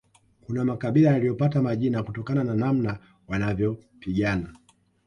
Kuna makabila yaliyopata majina kutokana na namna wanavyopigana